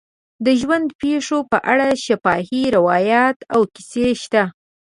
د ژوند پېښو په اړه شفاهي روایات او کیسې شته.